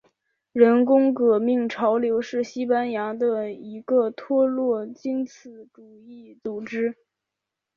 工人革命潮流是西班牙的一个托洛茨基主义组织。